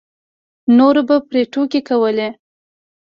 نورو به پرې ټوکې کولې.